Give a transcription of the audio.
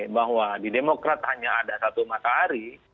bahwa di demokrat hanya ada satu matahari